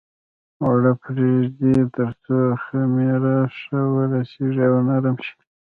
اوړه پرېږدي تر څو خمېره ښه ورسېږي او نرم شي.